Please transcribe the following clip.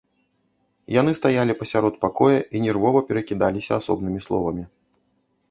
Яны стаялі пасярод пакоя і нервова перакідаліся асобнымі словамі.